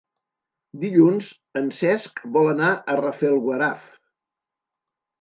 Dilluns en Cesc vol anar a Rafelguaraf.